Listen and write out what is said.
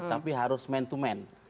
tapi harus man to man